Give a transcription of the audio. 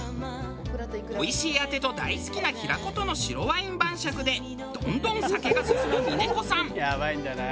おいしいアテと大好きな平子との白ワイン晩酌でどんどん酒が進む峰子さん。